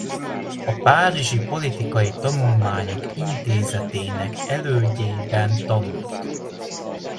A Párizsi Politikai Tanulmányok Intézetének elődjében tanult.